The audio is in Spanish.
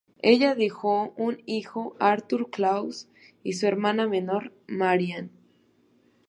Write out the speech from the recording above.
Ella dejó un hijo, Arthur Claus, y su hermana menor, Marianne.